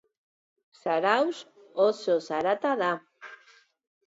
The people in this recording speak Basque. Zarautz oso zatarra da.